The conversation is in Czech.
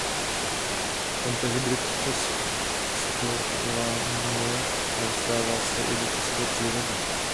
Tento hybrid občas zplaňuje a dostává se i do české přírody.